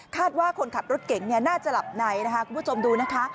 ว่าคนขับรถเก่งน่าจะหลับในนะคะคุณผู้ชมดูนะคะ